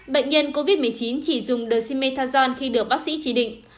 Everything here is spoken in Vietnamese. bệnh nhân covid một mươi chín chỉ dùng dexamethasone khi được bác sĩ chỉ định